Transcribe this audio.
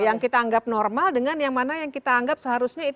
yang kita anggap normal dengan yang mana yang kita anggap seharusnya itu